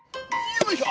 よいしょ。